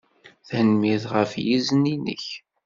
Tanemmirt ɣef yizen-nnek.